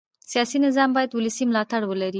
سیاسي نظام باید ولسي ملاتړ ولري